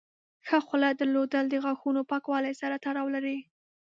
ښه خوله درلودل د غاښونو پاکوالي سره تړاو لري.